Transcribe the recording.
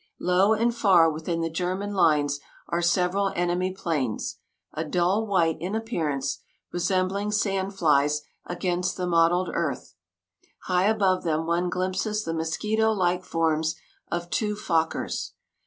Low and far within the German lines are several enemy planes, a dull white in appearance, resembling sand flies against the mottled earth. High above them one glimpses the mosquito like forms of two Fokkers.